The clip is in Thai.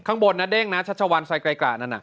ข้างบนนะเด้งนะชัชวัลไซไกลกะนั่นน่ะ